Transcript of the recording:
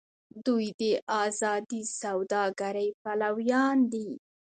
دوی د ازادې سوداګرۍ پلویان دي.